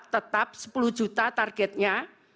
tetap sepuluh juta targetnya